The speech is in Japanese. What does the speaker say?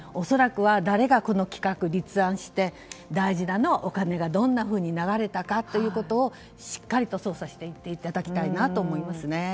誰がこの企画を立案して大事なのはお金がどんなふうに流れたかということをしっかりと捜査していっていただきたいなと思います。